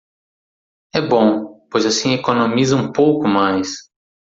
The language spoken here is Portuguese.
É bom, pois assim economiza um pouco mais